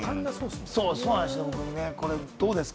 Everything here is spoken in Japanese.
どうですか？